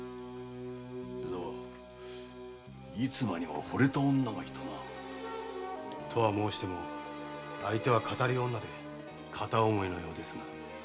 江沢逸馬には惚れた女がいたな。とは申しても相手は騙りの女で片思いのようですが。